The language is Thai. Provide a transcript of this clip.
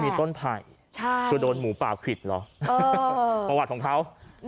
มีต้นไผ่คือโดนหมูป่าควิดเหรอประวัติของเขา